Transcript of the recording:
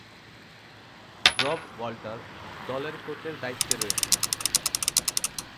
রব ওয়াল্টার দলের কোচের দায়িত্বে রয়েছেন।